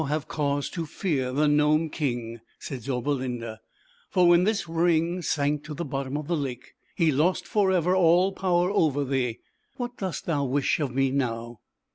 237 fear t ," said Zauberlinda, "For, when this ring sank to the bottom of the lake, he lost forever all power over thee. What dost thou wish of me now?"